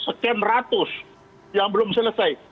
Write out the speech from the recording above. sekian ratus yang belum selesai